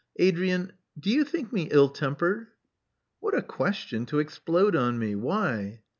Adrian: do you think me ill tempered?" "What a question to explode on me! Why?"